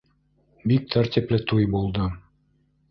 Бик тәртипле туй булды.